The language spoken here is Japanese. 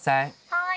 ・はい。